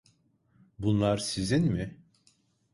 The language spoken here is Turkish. Bunlar sizin mi?